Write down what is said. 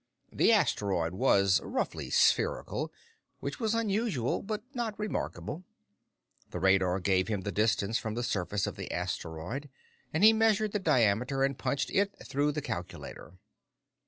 The asteroid was roughly spherical which was unusual, but not remarkable. The radar gave him the distance from the surface of the asteroid, and he measured the diameter and punched it through the calculator.